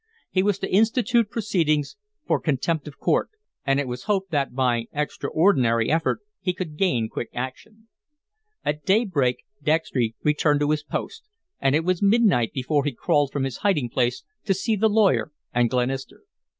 He was to institute proceedings for contempt of court, and it was hoped that by extraordinary effort he could gain quick action. At daybreak Dextry returned to his post, and it was midnight before he crawled from his hiding place to see the lawyer and Glenister.